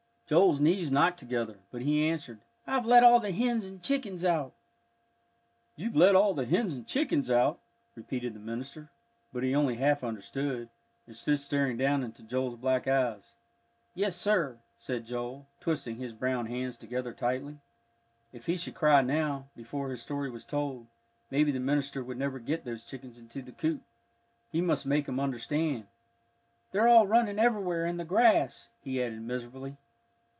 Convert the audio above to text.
Joel's knees knocked together, but he answered, "I've let all the hens and chickens out." "You've let all the hens and chickens out?" repeated the minister, but he only half understood, and stood staring down into Joel's black eyes. "Yes, sir," said Joel, twisting his brown hands together tightly. If he should cry now, before his story was told, maybe the minister would never get those chickens into the coop. He must make him understand. "They're all running everywhere in the grass," he added miserably.